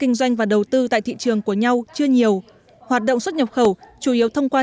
kinh doanh và đầu tư tại thị trường của nhau chưa nhiều hoạt động xuất nhập khẩu chủ yếu thông qua